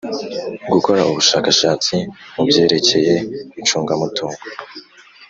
Gukora ubushakashatsi mu byerekeye icungamutungo